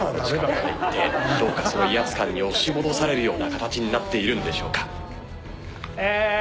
威圧感に押し戻されるような形になっているんでしょうか。